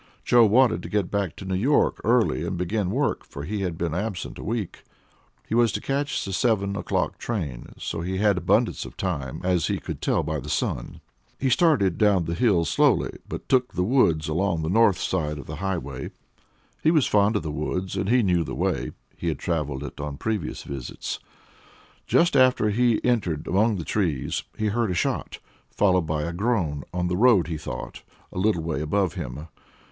Joe wanted to get back to New York early and begin work, for he had been absent a week. He was to catch the seven o'clock train, so he had abundance of time, as he could tell by the sun. He started down the hill slowly, but took the woods along the north side of the Highway; he was fond of the woods and he knew the way he had travelled it on previous visits. Just after he entered among the trees he heard a shot, followed by a groan on the road, he thought a little way above him.